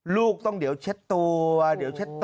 ลูกต้องเดี๋ยวเช็ดตัว